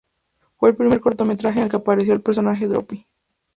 Fue el primer cortometraje en el que apareció el personaje Droopy.